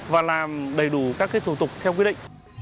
và làm đầy đủ các cái thủ tục theo quyết định